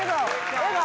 笑顔！